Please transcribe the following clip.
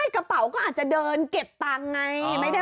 กระเป๋าก็อาจจะเดินเก็บตังค์ไง